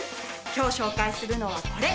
今日紹介するのはこれ！